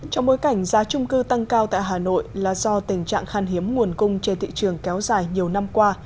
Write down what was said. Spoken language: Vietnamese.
trong bối cảnh giá trung cư tăng cao tại hà nội là do tình trạng khan hiếm nguồn cung trên thị trường kéo dài nhiều năm qua